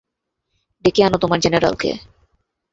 ডেকে আনো তোমার জেনেরালকে।